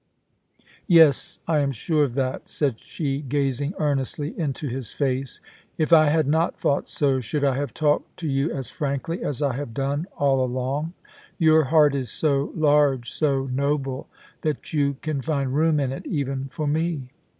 ' Yes, I am sure of that,' said she, gazing earnestly into his face. * If I had not thought so, should I have talked to you as frankly as I have done — all along ? Your heart is so large, so noble, that you can find room in it even for me.